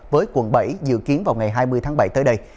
với quận bảy dự kiến vào ngày hai mươi tháng bảy tới đây